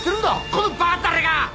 このバカたれが！」